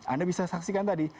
anda bisa saksikan tadi